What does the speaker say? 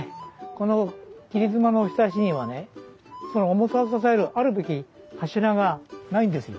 この切り妻のひさしにはねその重さを支えるあるべき柱がないんですよ。